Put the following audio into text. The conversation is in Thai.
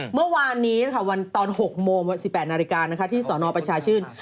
เมื่อวานนี้ตอน๖โมง๑๘นาฬิกาที่สนประชาชื่น